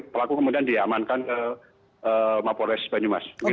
pelaku kemudian diamankan ke mapores banyumas